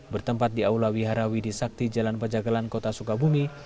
bertempat di aula wihara widi sakti jalan pejagalan kota sukabumi